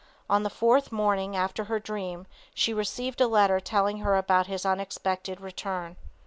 On the fourth morning after her dream she received a letter telling her about his unexpected return.